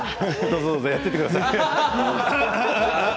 どうぞどうぞやっててください。